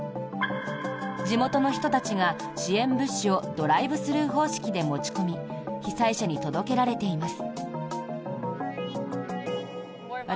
地元の人たちが支援物資をドライブスルー方式で持ち込み被災者に届けられています。